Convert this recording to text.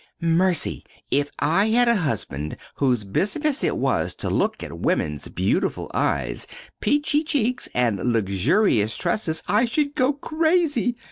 "Mercy! If I had a husband whose business it was to look at women's beautiful eyes, peachy cheeks, and luxurious tresses, I should go crazy!